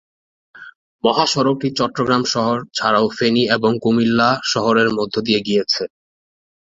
মহাসড়কটি চট্টগ্রাম শহর ছাড়াও ফেনী এবং কুমিল্লা শহরের মধ্যে দিয়ে গিয়েছে।